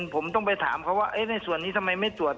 ผมต้องไปถามเขาว่าในส่วนนี้ทำไมไม่ตรวจ